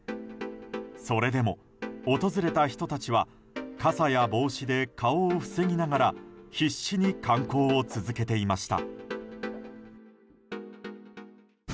それでも訪れた人たちは傘や帽子で顔を防ぎながら必死に観光を続けていました。